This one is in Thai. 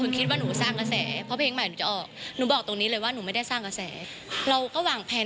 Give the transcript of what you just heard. ก็ตอนนี้ก็